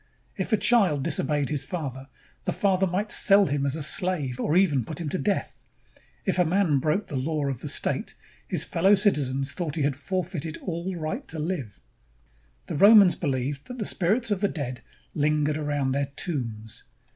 If a child disobeyed his father, the father might sell him as a slave or even put him to death. If a man broke the law of the state, his fellow citizens thought he had forfeited all right to live. The Romans believed that the spirits of the dead lingered around their tombs.